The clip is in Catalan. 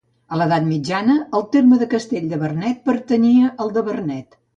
A l'Edat Mitjana, el terme de Castell de Vernet pertanyia al de Vernet.